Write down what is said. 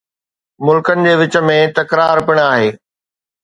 ملڪن جي وچ ۾ تڪرار پڻ آهي